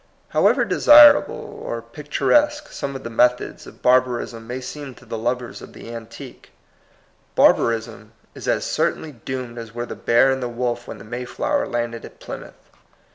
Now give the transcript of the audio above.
However desirable or picturesque some of the methods of barbarism may seem to the lovers of the antique, barba rism is as certainly doomed as were the bear and the wolf when the Mayflower landed at Plymouth.